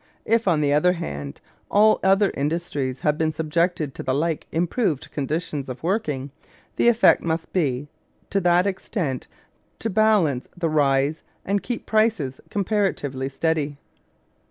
If, on the other hand, all other industries have been subjected to the like improved conditions of working, the effect must be to that extent to balance the rise and keep prices comparatively steady.